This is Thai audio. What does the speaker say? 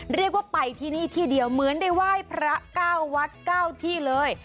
เรียกว่าไปที่นี่ที่เดียวเหมือนได้ไหว้พระ๙วัด๙ที่เลย